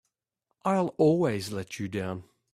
I'll always let you down!